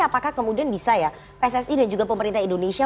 apakah kemudian bisa ya pssi dan juga pemerintah indonesia